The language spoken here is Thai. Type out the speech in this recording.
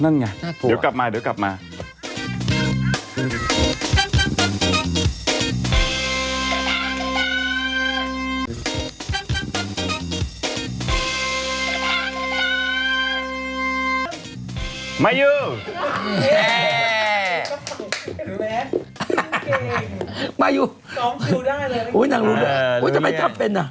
นั่นไงเดี๋ยวกลับมาเดี๋ยวกลับมา